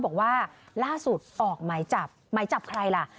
บอกว่าล่าสุดออกหมายจับหมายจับใครล่ะ